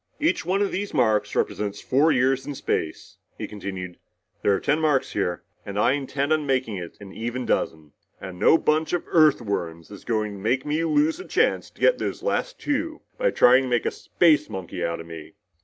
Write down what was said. "Each one of these marks represents four years in space," he continued. "There's ten marks here and I intend making it an even dozen! And no bunch of Earthworms is going to make me lose the chance to get those last two by trying to make a space monkey out of me!"